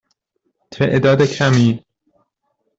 تعداد کمی.